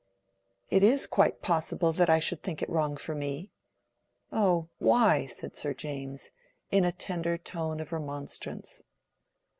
"It is quite possible that I should think it wrong for me." "Oh, why?" said Sir James, in a tender tone of remonstrance.